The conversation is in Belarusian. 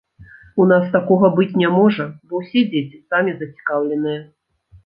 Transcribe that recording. У нас такога быць не можа, бо ўсе дзеці самі зацікаўленыя.